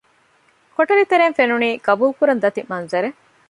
ކޮޓަރި ތެރެއިން ފެނުނީ ގަބޫލު ކުރަން ދަތި މަންޒަރެއް